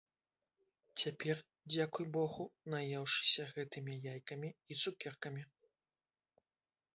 Цяпер, дзякуй богу, наеўшыся гэтымі яйкамі і цукеркамі.